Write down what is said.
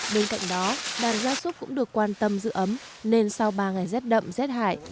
bên cạnh đó đàn gia súc cũng được quan tâm giữ ấm nên sau ba ngày rét đậm rét hại